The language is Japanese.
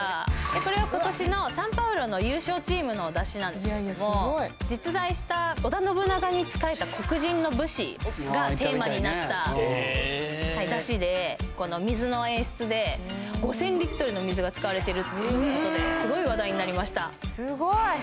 これは今年のサンパウロの優勝チームの山車なんですけども実在した織田信長に仕えた黒人の武士がテーマになった山車で水の演出で５０００リットルの水が使われてるっていうことですごい話題になりましたすごい！